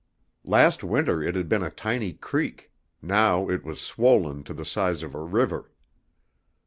Last winter it had been a tiny creek; now it was swollen to the size of a river.